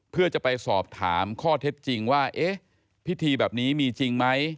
เพื่อจะไปสอบถามข้อเท็จจริงว่าเอ๊ะพิธีแบบนี้มีจริงไหม